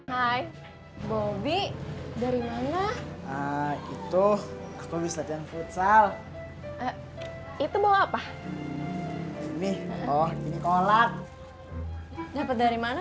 hai bobby dari mana itu aku bisa jalan futsal itu bawa apa nih oh ini kolak dapat dari mana